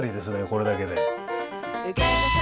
これだけで。